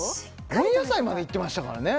温野菜まで行ってましたからね